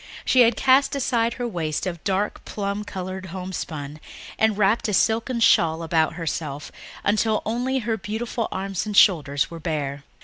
She had cast aside her waist of dark plum coloured homespun and wrapped a silken shawl about herself until only her beautiful arms and shoulders were left bare.